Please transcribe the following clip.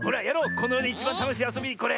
このよでいちばんたのしいあそびこれ。